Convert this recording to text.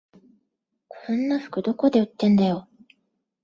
こんな服どこで売ってんだよ